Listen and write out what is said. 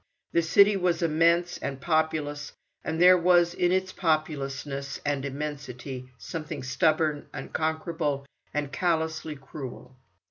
The city was immense and populous, and there was in its populousness and immensity something stubborn, unconquerable, and callously cruel.